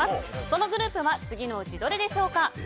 そのグループは次のうちどれでしょうか？